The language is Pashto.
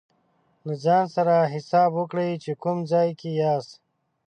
له ځان سره حساب وکړئ چې کوم ځای کې یاست.